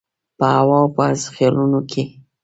په هوا او په خیالونو کي